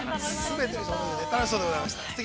楽しそうでございました。